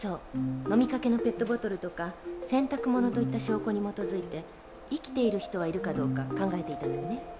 飲みかけのペットボトルとか洗濯物といった証拠に基づいて生きている人はいるかどうか考えていたのよね？